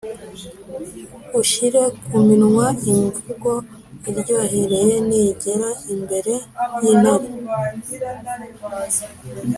unshyire ku minwa imvugo iryohereye ningera imbere y’intare,